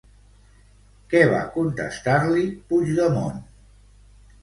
Què va contestar-li Puigdemont?